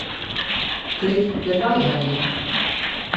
Klik Dêrwei helje.